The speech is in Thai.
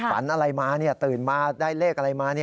ฝันอะไรมาตื่นมาได้เลขอะไรมา